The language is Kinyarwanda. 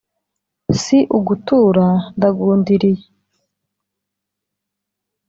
si ugutura ndagundiriye